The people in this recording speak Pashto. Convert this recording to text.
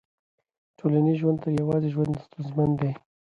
ټولنیز ژوند تر يوازي ژوند ستونزمن دی.